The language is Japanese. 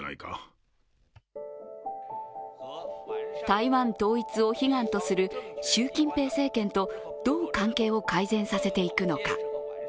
台湾統一を悲願とする習近平政権とどう関係を改善させていくのか。